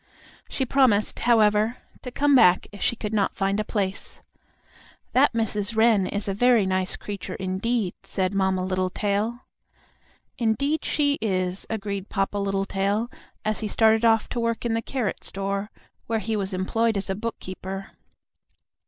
She promised, however, to come back if she could not find a place. "That Mrs. Wren is a very nice creature indeed," said Mamma Littletail. "Indeed she is," agreed Papa Littletail, as he started off to work in the carrot store, where he was employed as a bookkeeper.